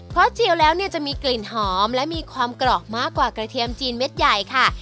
เพราะเจียวแล้วเนี่ยจะมีกลิ่นหอมและมีความกรอบมากกว่ากระเทียมจีนเม็ดใหญ่ค่ะ